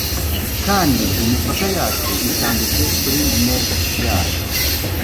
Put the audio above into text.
kandi imipaka yacu itambitse kuri nest yayo